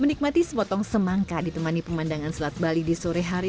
menikmati sepotong semangka ditemani pemandangan selat bali di sore hari